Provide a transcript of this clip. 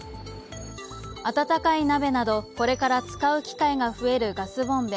温かい鍋などこれから使う機会が増えるガスボンベ。